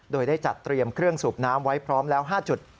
โดยได้จัดเตรียมเครื่องสูบน้ำไว้พร้อมแล้ว๕จุด